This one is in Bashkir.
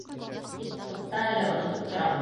Тик, туҡта, әле, онотоп торам!